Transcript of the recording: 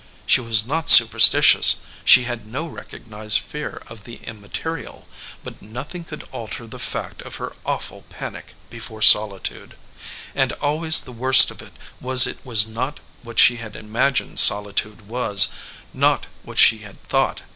She was not superstitious; she had no recognized fear of the immaterial, but nothing could alter the fact of her awful panic before solitude. And always the worst of it was it was not what she had imagined solitude was, not what she had thought.